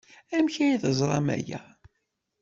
Amek ay teẓram aya?